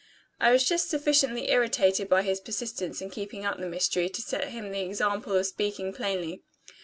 I was just sufficiently irritated by his persistence in keeping up the mystery to set him the example of speaking plainly.